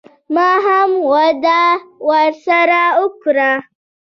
ما هم وعده ورسره وکړه.